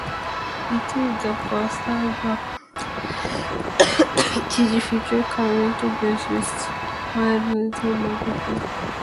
It is the first album which features current bassist and male vocalist Marco Hietala.